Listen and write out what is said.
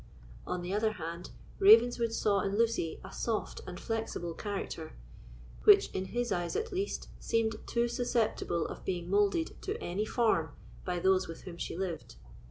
On the other hand, Ravenswood saw in Lucy a soft and flexible character, which, in his eyes at least, seemed too susceptible of being moulded to any form by those with whom she lived.